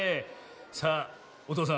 さあおとうさん